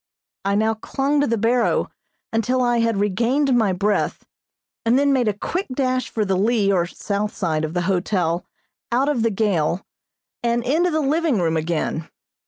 I now clung to the barrow until I had regained my breath and then made a quick dash for the lee or south side of the hotel out of the gale, and into the living room again.